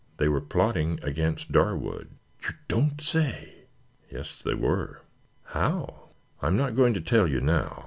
"They were plotting against Darwood." "You don't say?" "Yes, they were." "How?" "I am not going to tell you now.